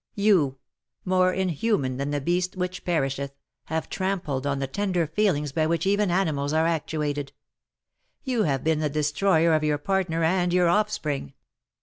You, more inhuman than the beast which perisheth, have trampled on the tender feelings by which even animals are actuated, you have been the destroyer of your partner and your offspring.